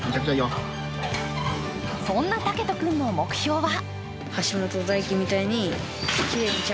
そんな健斗君の目標は？